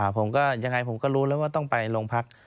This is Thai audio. ผมก็ยังไงผมก็รู้แล้วว่าต้องไปโรงพัก